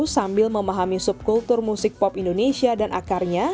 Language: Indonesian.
sambil memahami subkultur musik pop indonesia dan akarnya